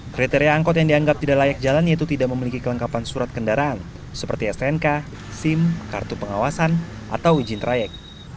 kriteria angkot yang dianggap tidak layak jalan yaitu tidak memiliki kelengkapan surat kendaraan seperti stnk sim kartu pengawasan atau izin trayek